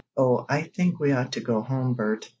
"Oh, I think we ought to go home, Bert."